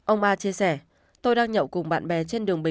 ông a chia sẻ tôi đang nhậu cùng bạn bè